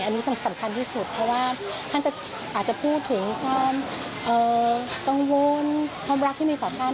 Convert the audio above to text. อันนี้สำคัญที่สุดเพราะว่าท่านอาจจะพูดถึงความกังวลความรักที่มีต่อท่าน